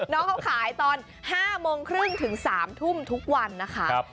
น้องเขาขายตอน๕โมงครึ่งถึง๓ทุ่มทุกวันนะคะ